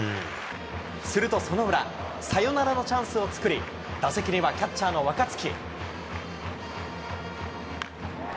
するとその裏、サヨナラのチャンスを作り、打席にはキャッチャーの若月。